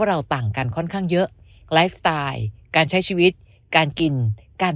ต่างกันค่อนข้างเยอะไลฟ์สไตล์การใช้ชีวิตการกินการ